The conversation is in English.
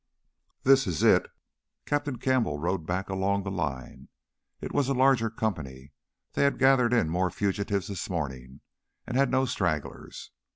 "This is it!" Captain Campbell rode back along their line. It was a larger company; they had gathered in more fugitives this morning and had no stragglers.